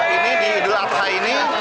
ini di idul adha ini